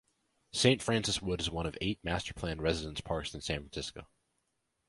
Saint Francis Wood is one of eight master-planned residence parks in San Francisco.